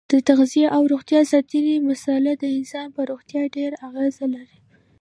د تغذیې او روغتیا ساتنې مساله د انسان په روغتیا ډېره اغیزه لري.